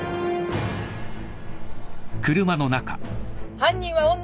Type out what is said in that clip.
犯人は女！